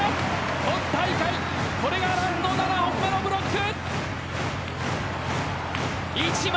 今大会、これが藍の７本目のブロック。